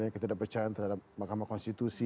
ketidakpercayaan terhadap mahkamah konstitusi